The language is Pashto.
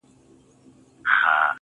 هم دي د سرو سونډو په سر كي جـادو~